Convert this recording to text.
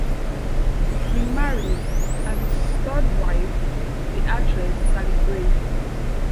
He married, as his third wife, the actress Sally Gray.